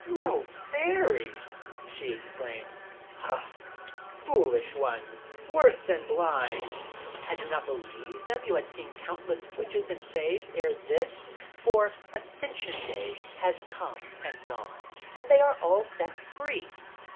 "No Fairies?" she exclaimed. "Ah, foolish ones, worse than blind! Had you not believed them you had seen countless Witches and Fays ere this, for Ascension Day has come and gone, and they are all set free.